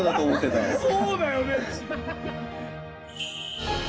そうだよね！